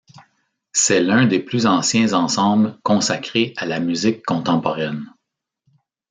C'est l'un des plus anciens ensembles consacré à la musique contemporaine.